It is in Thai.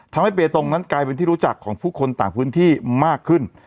ทำให้เบตตงกลายเป็นที่รู้จักของผู้คนต่างพื้นที่มากขึ้น